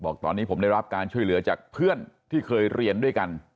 บอกตอนนี้ผมได้รับการช่วยเหลือจากเพื่อนที่เคยเรียนด้วยกัน